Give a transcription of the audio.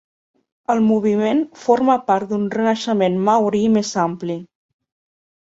El moviment forma part d'un renaixement maori més ampli.